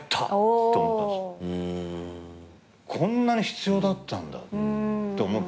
こんなに必要だったんだって思って。